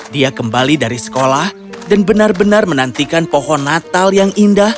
dia kembali dari sekolah dan benar benar menantikan pohon natal yang indah